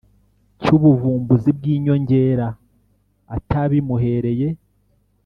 cy ubuvumbuzi bw inyongera atabimuhereye